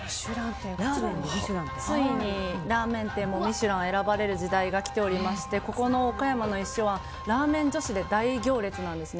ついにラーメン店も「ミシュラン」選ばれる時代が来ておりましてここの岡山の一照庵はラーメン女子で大行列なんです。